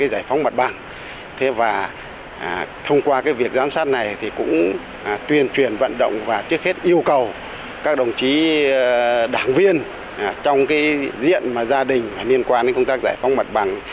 giải phóng mặt bằng và thông qua việc giám sát này thì cũng tuyên truyền vận động và trước hết yêu cầu các đồng chí đảng viên trong diện gia đình liên quan đến công tác giải phóng mặt bằng